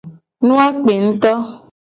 Nu a kpe nguto.